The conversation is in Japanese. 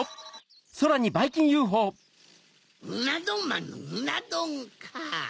うなどんまんのうなどんか。